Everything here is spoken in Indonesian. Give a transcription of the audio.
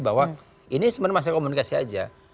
bahwa ini sebenarnya masih komunikasi saja